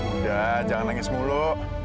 udah jangan nangis mulu